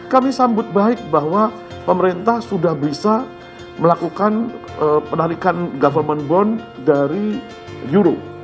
kami sambut baik bahwa pemerintah sudah bisa melakukan penarikan government bond dari euro